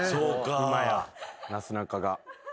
今やなすなかが。